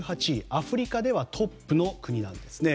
アフリカではトップの国なんですね。